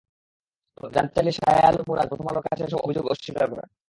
জানতে চাইলে শাহে আলম মুরাদ প্রথম আলোর কাছে এসব অভিযোগ অস্বীকার করেন।